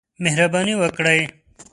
مهرباني وکړئ